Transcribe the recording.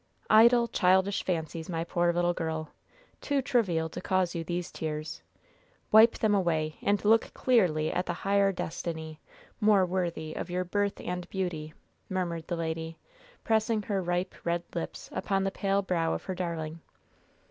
"Idle, childish fancies, my poor little girl! too trivial to cause you these tears. Wipe them away, and look clearly at the higher destiny, more worthy of your birth and beauty," murmured the lady, pressing her ripe, red lips upon the pale brow of her darling.